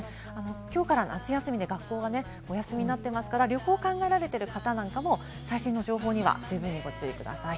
きょうから夏休みで学校がお休みになってますから、旅行を考えられている方も最新の情報には十分にご注意ください。